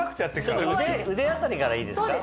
腕辺りからいいですか？